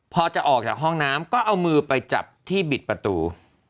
พอจะออกจากห้องน้ำก็เอามือไปจับที่บิดประตู